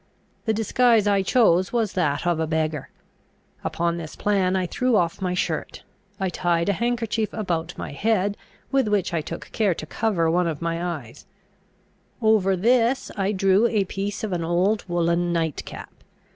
The disguise I chose was that of a beggar. Upon this plan, I threw off my shirt; I tied a handkerchief about my head, with which I took care to cover one of my eyes; over this I drew a piece of an old woollen nightcap.